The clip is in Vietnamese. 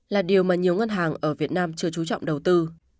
là điều mà nhiều ngân hàng ở việt nam chưa trú trọng đầu tư